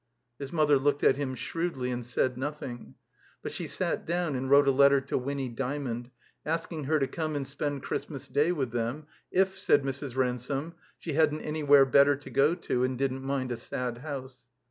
His mother looked at him shrewdly and said nothing. But she sat down and wrote a letter to Winny Dymond, asking her to come and spend Christmas Day with them, if, said Mrs. Ransome, she hadn't anywhere better to go to and didn't mind a sad house.